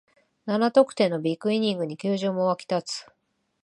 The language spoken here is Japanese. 七得点のビッグイニングに球場も沸き立つ